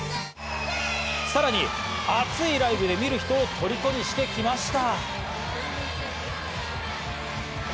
さらに熱いライブで、見る人を虜にしてきました。